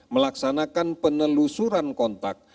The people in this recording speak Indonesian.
melaksanakan penelusuran kontak